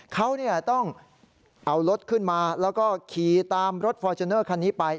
เขาต้องเอารถขึ้นมาแล้วก็ขี่ตามรถฟอร์จูเนอร์คันนี้ไป